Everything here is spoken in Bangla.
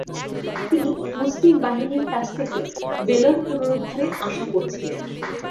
তিনি মুসলিম বাহিনীর কাছ থেকে ভেলোর পুনরুদ্ধারের আশা করছিলেন।